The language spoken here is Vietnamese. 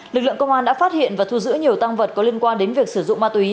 lực lượng công an đã phát hiện và thu giữ nhiều tăng vật có liên quan đến việc sử dụng ma túy